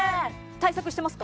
対策してますか？